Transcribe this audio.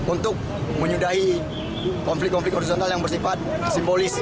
untuk menyudahi konflik konflik horizontal yang bersifat simbolis